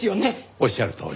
おっしゃるとおり。